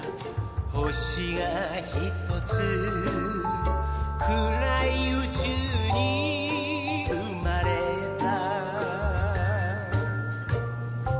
星がひとつ暗い宇宙に生まれた